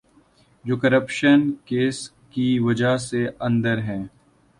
جو corruption cases کی وجہ سے اندر ہیں۔